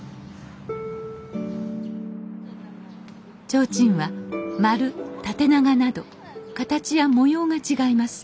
提灯は丸縦長など形や模様が違います。